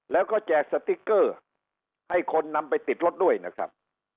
แล้วก็แจกสติ๊กเกอร์ให้คนนำไปติดรถด้วยนะครับ